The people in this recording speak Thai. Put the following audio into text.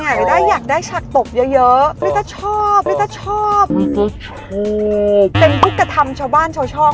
จริงอะลีต้ายอยากได้ฉักตบเยอะลีต้าชอบเป็นผู้กระทำชาวบ้านชาวช่อง